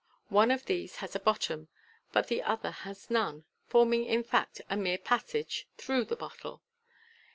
One of these has a bottom, but the other has none, forming, in fact, a mere passage through the bottle.